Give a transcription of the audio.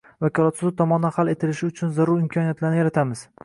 vakolatli sud tomonidan hal etilishi uchun zarur imkoniyatlarni yaratamiz.